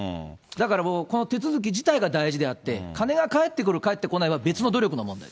だからもう、この手続き自体が大事であって、金が返ってくる返ってこないは別の努力の問題。